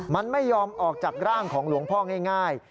มันไม่ยอมออกจากร่างของหลวงพ่อง่าย